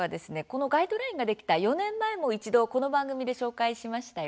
このガイドラインが出来た４年前も一度この番組で紹介しましたよね。